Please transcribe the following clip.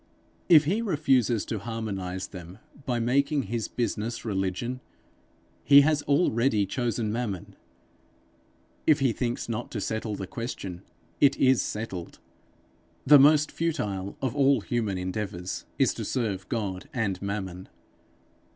If he refuses to harmonize them by making his business religion, he has already chosen Mammon; if he thinks not to settle the question, it is settled. The most futile of all human endeavours is, to serve God and Mammon.